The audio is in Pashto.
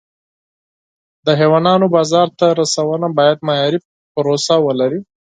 د حیواناتو بازار ته رسونه باید معیاري پروسه ولري.